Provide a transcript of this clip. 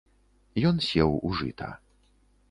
Ён сеў у жыта.